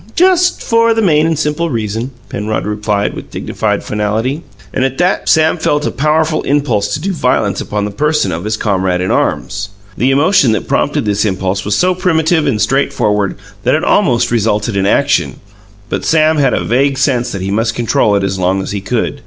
"Just for the main and simple reason," Penrod replied, with dignified finality. And at that, Sam felt a powerful impulse to do violence upon the person of his comrade in arms. The emotion that prompted this impulse was so primitive and straightforward that it almost resulted in action; but Sam had a vague sense that he must control it as long as he could.